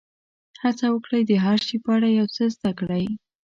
هڅه وکړئ د هر شي په اړه یو څه زده کړئ.